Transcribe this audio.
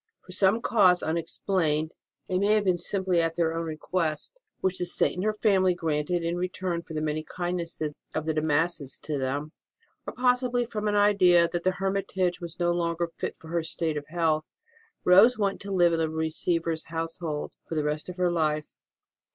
For some cause unexplained it may have been simply at their own request, which the Saint and her family granted in return for the many kindnesses of the De Massas to them, or possibly from an idea that the hermitage was no longer fit for her state of health Rose went to live in the Receiver s household for the rest of her life.